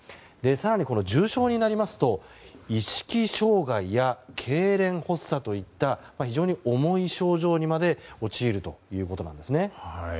更に、重症になりますと意識障害やけいれん発作といった非常に重い症状にまで陥るということなんですね。